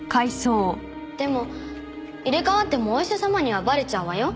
でも入れ替わってもお医者様にはバレちゃうわよ。